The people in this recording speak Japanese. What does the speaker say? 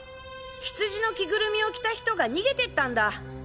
ヒツジの着ぐるみを着た人が逃げてったんだ。